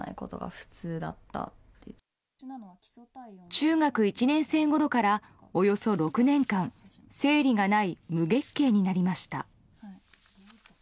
中学１年生ごろからおよそ６年間生理がない無月経になりました。